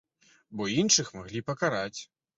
Бо іншых маглі пакараць.